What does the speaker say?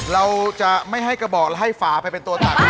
เราจะไม่ให้กระบอกแล้วให้ฝาไปเป็นตัวตัก